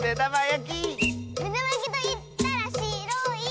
「めだまやきといったらしろい！」